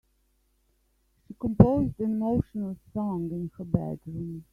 She composed an emotional song in her bedroom.